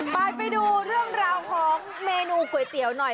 ไปดูเรื่องราวของเมนูก๋วยเตี๋ยวหน่อย